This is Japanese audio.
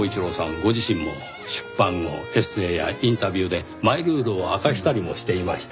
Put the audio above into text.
ご自身も出版後エッセーやインタビューでマイルールを明かしたりもしていました。